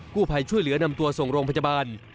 ผู้ภัยช่วยเหลือนำตัวส่งโรงพยาบาล